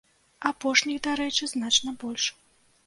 Апошніх, дарэчы, значна больш.